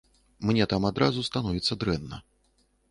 Мне там адразу становіцца дрэнна.